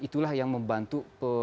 itulah yang membantu